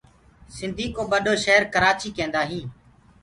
سنٚڌي ڪو ٻڏو شير ڪرآچيٚ ڪينٚدآئينٚ